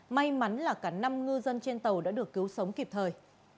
may mắn là cả năm ngư dân trên tàu đã được cứu sống kịp thời